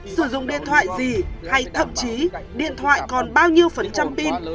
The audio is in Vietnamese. sử dụng điện thoại gì hay thậm chí điện thoại còn bao nhiêu phần trăm pin